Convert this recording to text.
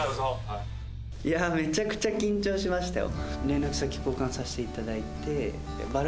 めちゃくちゃ緊張しましたよ。